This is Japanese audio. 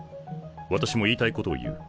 私も言いたいことを言う。